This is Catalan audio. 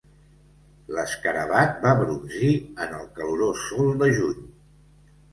L'escarabat va brunzir en el calorós sol de juny.